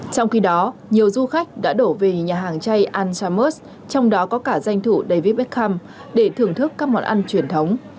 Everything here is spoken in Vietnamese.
trong khi đó nhiều du khách đã đổ về nhà hàng chay alstamus trong đó có cả danh thủ david beckham để thưởng thức các món ăn truyền thống